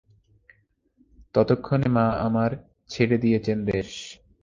ততক্ষণে মা আমার ছেড়ে গিয়েচেন দেশ?